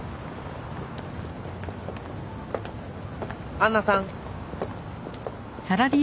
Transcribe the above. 杏奈さん。